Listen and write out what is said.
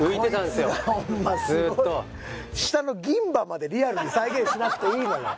すごい下の銀歯までリアルに再現しなくていいのよ